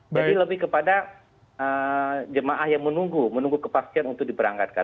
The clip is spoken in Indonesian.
jadi lebih kepada jemaah yang menunggu menunggu kepastian untuk diperangkatkan